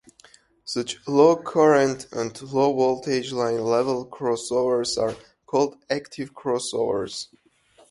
Such low-current and low-voltage line level crossovers are called active crossovers.